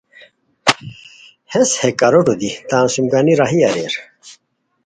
ہیس ہے کوکوڑیو دی تان سوم گانی راہی اریر